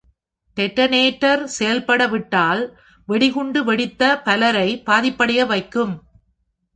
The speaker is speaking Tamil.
டெட்டனேட்டர் செயல்பட விட்டால், வெடிகுண்டு வெடித்த பலரை பாதிப்படைய வைக்கும்.